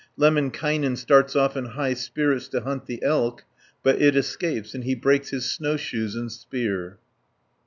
Lemminkainen starts off in high spirits to hunt the elk, but it escapes, and he breaks his snowshoes and spear (31 270).